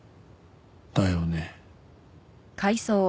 「だよね」